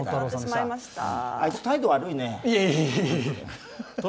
あいつ、態度、悪いね。